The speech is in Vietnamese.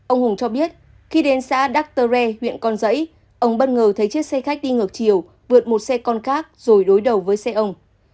ông hùng cho biết khi đến xã đắc tơ rê huyện con rẫy ông bất ngờ thấy chiếc xe khách đi ngược chiều vượt một xe con khác rồi đối đầu với xe ông